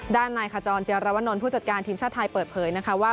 ด้านในจรรยาวนอนผู้จัดการทีมชาวไทยเปิดเผยว่า